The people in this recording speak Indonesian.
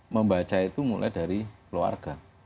membaca itu mulai dari keluarga